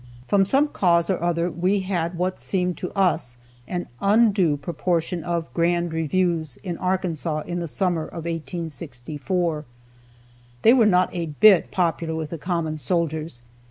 From some cause or other we had what seemed to us an undue proportion of grand reviews in Arkansas in the summer of 1864. They were not a bit popular with the common soldiers.